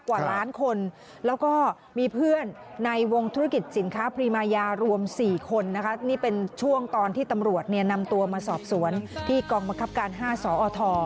กว่าล้านคนแล้วก็มีเพื่อนในวงธุรกิจสินค้าพรีมายารวม๔คนนะคะนี่เป็นช่วงตอนที่ตำรวจเนี่ยนำตัวมาสอบสวนที่กองบังคับการ๕สอท